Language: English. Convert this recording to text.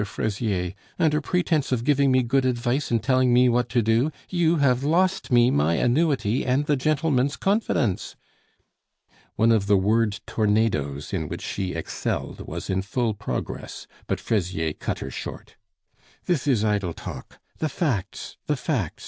Fraisier. Under pretence of giving me good advice and telling me what to do, you have lost me my annuity and the gentlemen's confidence...." One of the word tornadoes in which she excelled was in full progress, but Fraisier cut her short. "This is idle talk. The facts, the facts!